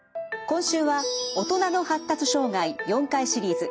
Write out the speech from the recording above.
今週は「大人の発達障害」４回シリーズ。